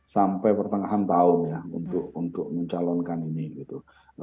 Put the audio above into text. sampai pertengahan tahun ya untuk mencalonkan ini gitu